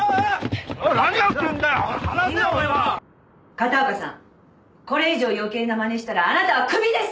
片岡さんこれ以上余計な真似したらあなたはクビです！